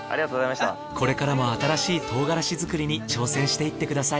これからも新しいトウガラシ作りに挑戦していってください。